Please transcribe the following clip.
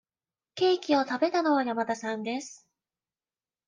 ケーキを食べたのは山田さんです。